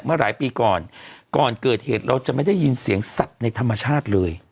หลายปีก่อนก่อนเกิดเหตุเราจะไม่ได้ยินเสียงสัตว์ในธรรมชาติเลย